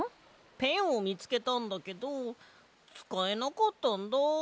ペンをみつけたんだけどつかえなかったんだ。